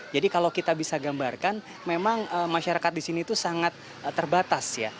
jadi kalau kita bisa gambarkan memang masyarakat di sini itu sangat terbatas ya